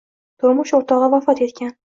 Turmush o‘rtog‘i vafot etgan.